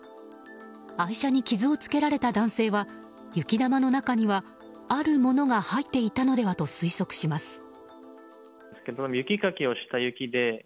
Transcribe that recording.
愛車に傷をつけられた男性は雪玉の中にはあるものが入っていたのではと推測します。